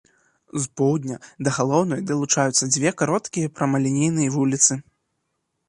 З поўдня да галоўнай далучаюцца дзве кароткія прамалінейныя вуліцы.